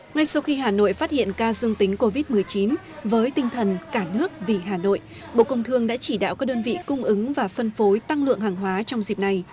ngay sau khi hà nội phát hiện ca dương tính covid một mươi chín với tinh thần cả nước vì hà nội bộ công thương đã chỉ đạo các đơn vị cung ứng và phân phối tăng lượng hàng hóa trong dịp này